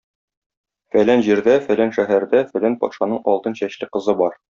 Фәлән җирдә, фәлән шәһәрдә фәлән патшаның алтын чәчле кызы бар.